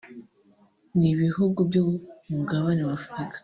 n’ibihugu byo ku mugabane w’Afurika